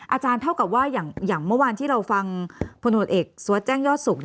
อาจารย์เท่ากับว่าอย่างเมื่อวานที่เราฟังผลโหดเอกสวทแจ้งยอดสุข